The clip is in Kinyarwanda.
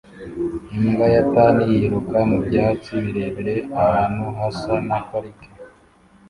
Imbwa ya Tan yiruka mu byatsi birebire ahantu hasa na parike